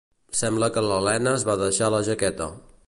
Sembla que la Lena es va deixar la jaqueta.